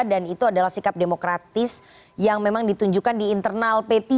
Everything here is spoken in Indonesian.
itu adalah sikap demokratis yang memang ditunjukkan di internal p tiga